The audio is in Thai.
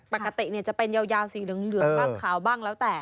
ปกติจะเป็นยาวสีเหลืองบ้างขาวบ้างแล้วแต่